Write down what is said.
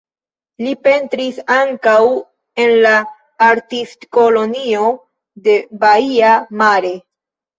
Li pentris ankaŭ en la Artistkolonio de Baia Mare.